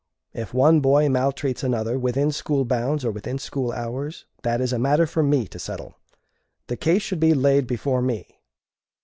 If one boy maltreats another, within school bounds, or within school hours, that is a matter for me to settle. The case should be laid before me.